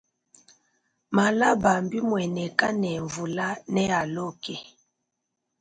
Malaba bimuaneka ne mvula ne aloka.